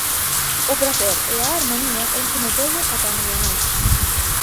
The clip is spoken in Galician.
O pracer e a harmonía éncheno todo ata a medianoite.